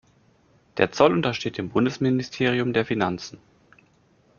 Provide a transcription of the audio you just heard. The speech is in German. Der Zoll untersteht dem Bundesministerium der Finanzen.